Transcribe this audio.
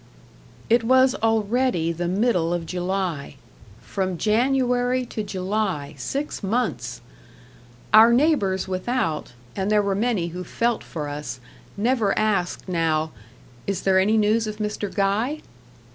It was already the middle of July. From January to July six months! Our neighbours without and there were many who felt for us never asked now, "Is there any news of Mr. Guy?"